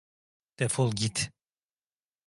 Defol git!